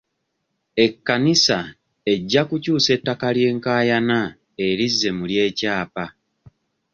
Ekkanisa ejja kukyusa ettaka ly'enkaayana erizze mu ly'ekyapa.